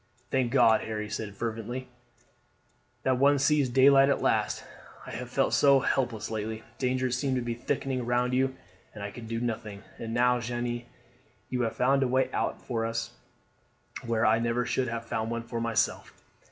"Thank God," Harry said fervently, "that one sees daylight at last! I have felt so helpless lately! Dangers seemed to be thickening round you, and I could do nothing; and now, Jeanne, you have found a way out for us where I never should have found one for myself."